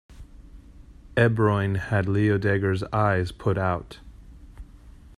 Ebroin had Leodegar's eyes put out.